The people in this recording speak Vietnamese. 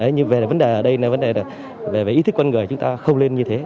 nhưng về vấn đề ở đây là vấn đề về ý thức con người chúng ta không lên như thế